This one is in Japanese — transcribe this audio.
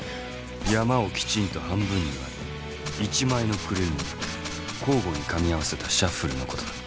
山をきちんと半分に割り１枚の狂いもなく交互にかみ合わせたシャッフルのことだ。